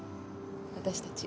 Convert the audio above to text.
私たち。